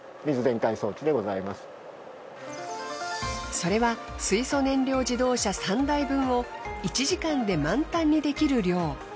それは水素燃料自動車３台分を１時間で満タンにできる量。